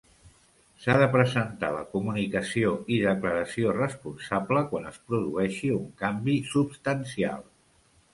S'ha de presentar la comunicació i declaració responsable quan es produeixi un canvi substancial.